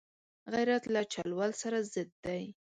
غیرت له چل ول سره ضد دی